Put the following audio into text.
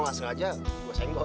masang aja gue senggol